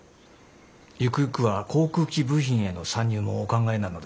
ゆくゆくは航空機部品への参入もお考えなのですか？